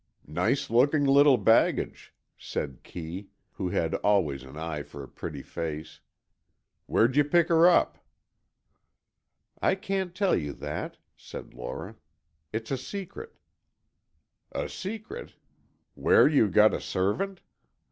"Nice looking little baggage," said Kee, who had always an eye for a pretty face. "Where'd you pick her up?" "I can't tell you that," said Lora, "it's a secret." "A secret? Where you got a servant!